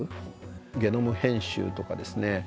ゲノム編集とかですね